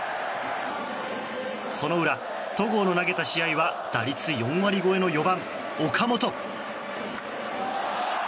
その裏、戸郷の投げた試合は打率４割超えの４番、岡本。